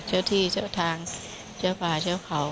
เจ้าที่เจ้าทางเจ้าป่าเจ้าเขา